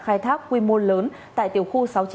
khai thác quy mô lớn tại tiểu khu sáu trăm chín mươi